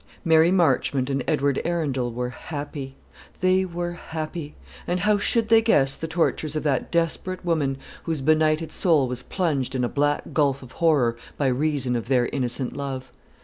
Mary Marchmont and Edward Arundel were happy. They were happy; and how should they guess the tortures of that desperate woman, whose benighted soul was plunged in a black gulf of horror by reason of their innocent love?